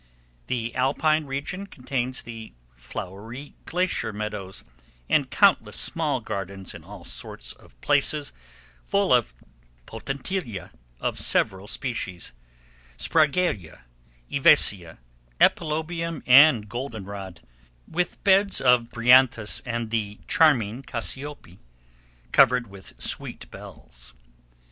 The alpine region contains the flowery glacier meadows, and countless small gardens in all sorts of places full of potentilla of several species, spraguea, ivesia, epilobium, and goldenrod, with beds of bryanthus and the charming cassiope covered with sweet bells.